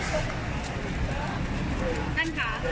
สวัสดีครับสวัสดีครับ